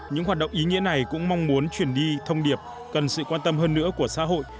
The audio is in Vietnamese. những hoạt động ý nghĩa này cũng mong muốn chuyển đi thông điệp cần sự quan tâm hơn nữa của xã hội